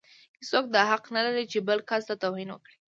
هيڅوک دا حق نه لري چې بل کس ته توهين وکړي.